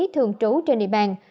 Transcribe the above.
thường trú trên địa bàn